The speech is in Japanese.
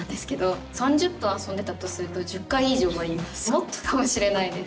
もっとかもしれないです。